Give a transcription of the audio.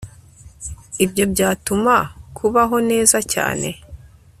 ibyo byatuma kubaho neza cyane